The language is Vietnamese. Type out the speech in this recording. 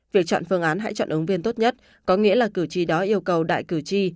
việc chọn phương án hãy chọn ứng viên tốt nhất có nghĩa là cử tri đó yêu cầu đại cử tri